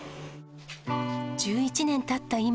１１年たった